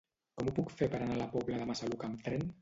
Com ho puc fer per anar a la Pobla de Massaluca amb tren?